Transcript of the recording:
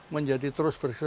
menjadi terus bersejarah